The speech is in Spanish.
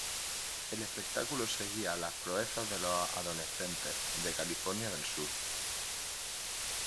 El espectáculo seguía las proezas de los adolescentes de California del Sur.